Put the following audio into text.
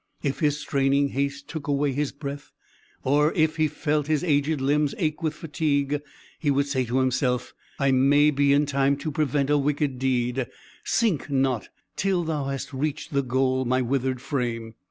If his straining haste took away his breath, or he felt his aged limbs ache with fatigue, he would say to himself: "I may be in time to prevent a wicked deed; sink not till thou hast reached the goal, my withered frame!"